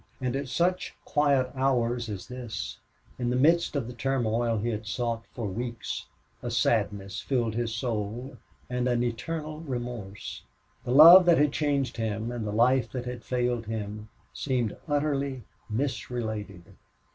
And at such quiet hours as this, in the midst of the turmoil he had sought for weeks, a sadness filled his soul, and an eternal remorse. The love that had changed him and the life that had failed him seemed utterly misrelated.